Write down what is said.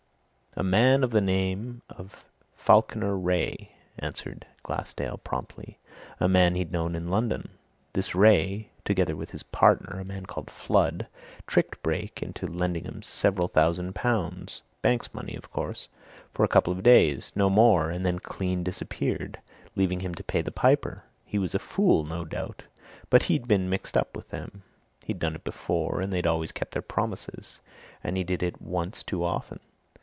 "A man of the name of Falkiner Wraye," answered Glassdale promptly. "A man he'd known in London. This Wraye, together with his partner, a man called Flood, tricked Brake into lending 'em several thousands pounds bank's money, of course for a couple of days no more and then clean disappeared, leaving him to pay the piper! He was a fool, no doubt, but he'd been mixed up with them; he'd done it before, and they'd always kept their promises, and he did it once too often.